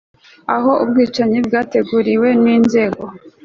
aho ubwicanyi bwanateguwe n inzego